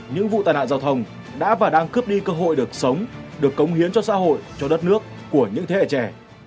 những vụ tai nạn giao thông đã và đang cướp đi cơ hội được sống được cống hiến cho xã hội cho đất nước của những thế hệ trẻ